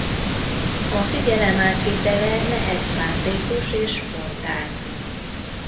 A figyelem átvitele lehet szándékos és spontán.